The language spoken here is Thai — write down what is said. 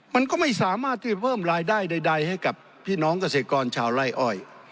มันก็ไม่สามารถที่จะเพิ่มรายได้ใดให้กับพี่น้องเกษตรกรชาวไล่อ้อย